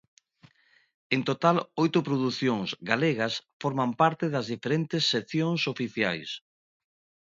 En total oito producións galegas forman parte das diferentes seccións oficiais.